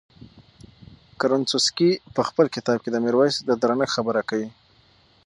کروسنسکي په خپل کتاب کې د میرویس د درنښت خبره کوي.